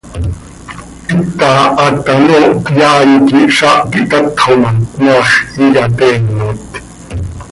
Hita haat hanoohcö yaai quih zaah quih tatxo ma, cmaax iyateenot.